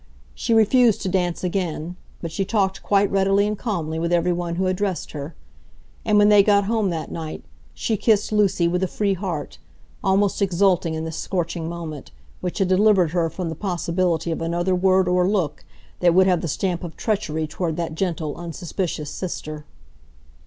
She refused to dance again, but she talked quite readily and calmly with every one who addressed her. And when they got home that night, she kissed Lucy with a free heart, almost exulting in this scorching moment, which had delivered her from the possibility of another word or look that would have the stamp of treachery toward that gentle, unsuspicious sister.